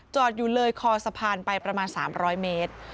อยู่เลยคอสะพานไปประมาณ๓๐๐เมตร